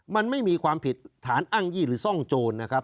มันไม่มีความผิดฐานอ้างยี่หรือซ่องโจรนะครับ